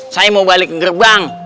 saya mau balik ke gerbang